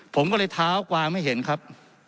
ผมก็เลยเท้ากวางให้เห็นครับ